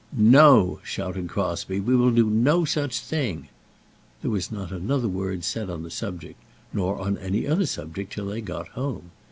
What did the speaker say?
"No," shouted Crosbie; "we will do no such thing." There was not another word said on the subject, nor on any other subject till they got home.